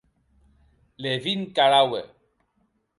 Levin caraue.